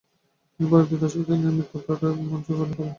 তিনি পরবর্তী দশকে নিয়মিত ব্রডওয়ে মঞ্চে অভিনয় করেন।